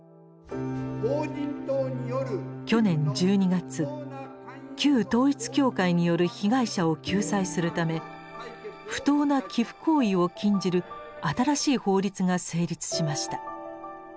去年１２月旧統一教会による被害者を救済するため不当な寄附行為を禁じる新しい法律が成立しました。